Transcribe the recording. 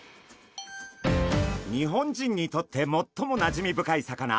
日本人にとってもっともなじみ深い魚マダイ。